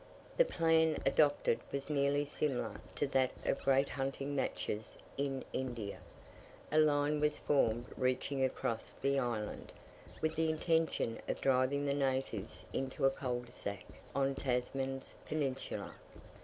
The plan adopted was nearly similar to that of the great hunting matches in India: a line was formed reaching across the island, with the intention of driving the natives into a cul de sac on Tasman's peninsula.